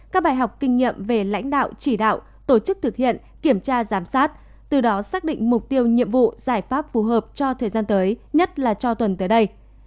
các bài học kinh nghiệm về lãnh đạo chỉ đạo tổ chức thực hiện kiểm tra giám sát từ đó xác định mục tiêu nhiệm vụ giải pháp phù hợp cho thời gian tới nhất là cho tuần tới đây